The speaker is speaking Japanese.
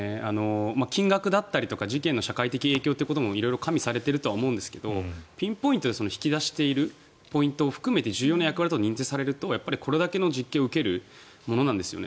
金額とか事件の社会的影響というのも色々、加味されてると思いますがピンポイントで引き出しているポイントを含めて重要な役割と認定されるとこれだけの実刑を受けるものなんですよね。